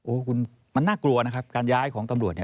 คุณมันน่ากลัวนะครับการย้ายของตำรวจเนี่ย